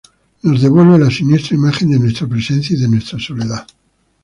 nos devuelve la siniestra imagen de nuestra presencia y de nuestra soledad